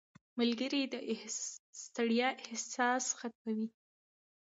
• ملګری د ستړیا احساس ختموي.